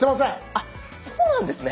あっそうなんですね。